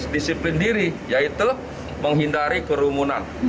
disiplin diri yaitu menghindari kerumunan